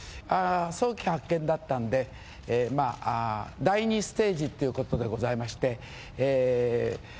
早期発見だったんで、第２ステージっていうことでございまして。